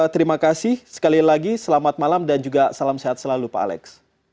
terima kasih sekali lagi selamat malam dan juga salam sehat selalu pak alex